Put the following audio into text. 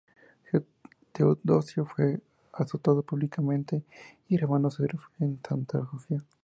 Teodosio fue azotado públicamente, y Germano se refugió en Santa Sofía.